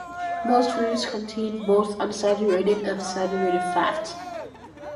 Most foods contain both unsaturated and saturated fats.